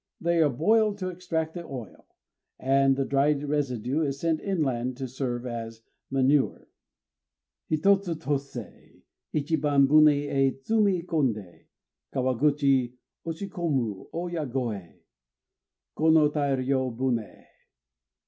They are boiled to extract the oil; and the dried residue is sent inland to serve as manure. Hitotsutosé, Ichiban buné é tsumi kondé, Kawaguchi oshikomu ô yagoë. _Kono tai ryô buné!